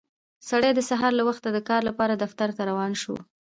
سړی د سهار له وخته د کار لپاره دفتر ته روان شو